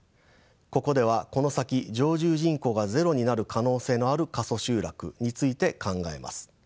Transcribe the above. ここではこの先常住人口がゼロになる可能性のある過疎集落について考えます。